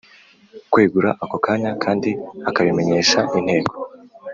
kwegura ako kanya kandi akabimenyesha Inteko